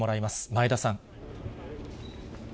前田さん。